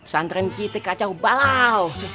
santrin citik kacau balau